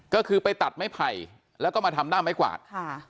ก็คือไปตัดไม้ไผ่แล้วก็มาทำด้ามไม้กวาดค่ะ